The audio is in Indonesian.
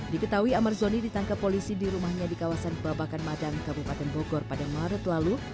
diketahui amar zoni ditangkap polisi di rumahnya di kawasan babakan madang kabupaten bogor pada maret lalu